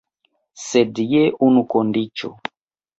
Sed je unu kondiĉo.